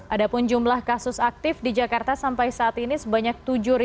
ada pun jumlah kasus aktif di jakarta sampai saat ini sebanyak tujuh ratus